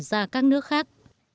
ra các nước khác